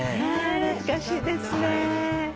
懐かしいですね。